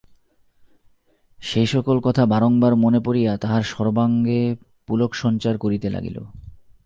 সেই-সকল কথা বারংবার মনে পড়িয়া তাহার সর্বাঙ্গে পুলকসঞ্চার করিতে লাগিল।